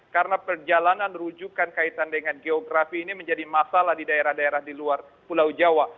karena perjalanan rujukan kaitan dengan geografi ini menjadi masalah di daerah daerah di luar pulau jawa